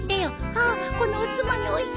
ハッこのおつまみおいしいね！